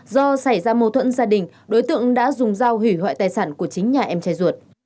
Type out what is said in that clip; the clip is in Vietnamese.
do xảy ra mâu thuẫn gia đình đối tượng đã dùng dao hủy hoại tài sản của chính nhà em trai ruột